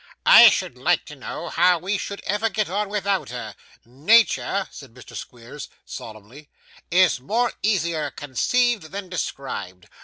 'I should like to know how we should ever get on without her. Natur,' said Mr. Squeers, solemnly, 'is more easier conceived than described.